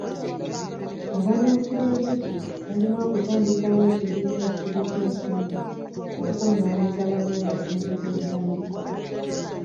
Abalunzi b'enjuki balina okutandikawo ekibiina ekitereka ensimbi okukungaanyiza bammemba ssente z'entandikwa.